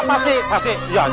dari kepada kamu